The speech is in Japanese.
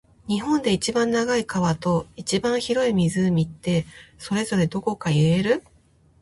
日本で一番長い川と、一番広い湖って、それぞれどこか言える？